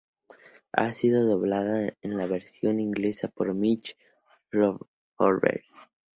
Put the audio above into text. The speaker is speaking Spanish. Ha sido doblada en la versión inglesa por Michelle Forbes.